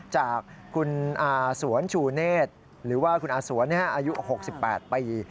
จากคุณอาสวนชูเนธหรือว่าคุณอาสวนอายุ๖๘ปี